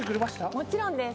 もちろんです。